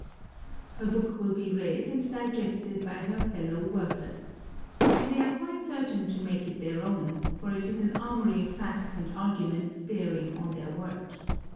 Her book will be read and digested by her fellow workers. They are quite certain to make it their own, for it is an armoury of facts and arguments bearing on their work.